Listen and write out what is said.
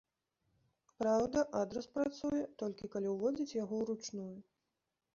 Праўда, адрас працуе, толькі калі уводзіць яго уручную.